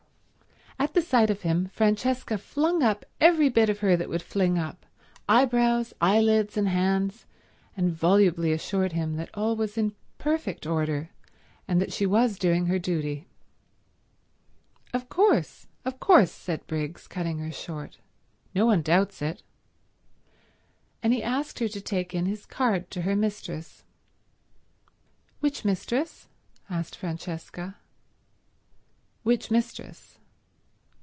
At the sight of him Francesca flung up every bit of her that would fling up—eyebrows, eyelids, and hands, and volubly assured him that all was in perfect order and that she was doing her duty. "Of course, of course," said Briggs, cutting her short. "No one doubts it." And he asked her to take in his card to her mistress. "Which mistress?" asked Francesca. "Which mistress?"